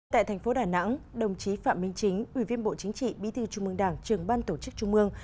tại thành phố đà nẵng đồng chí phạm minh chính ủy viên bộ chính trị bí thư trung mương đảng trường ban tổ chức trung mương